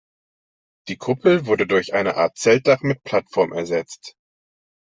Die Kuppel wurde durch eine Art Zeltdach mit Plattform ersetzt.